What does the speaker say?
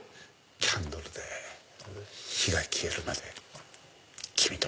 キャンドルで火が消えるまで君といたい。